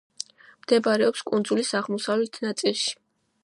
მდებარეობს კუნძულის აღმოსავლეთ ნაწილში.